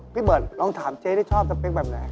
พี่เบิร์ดลองถามเจ๊ได้ชอบสเปคแบบไหน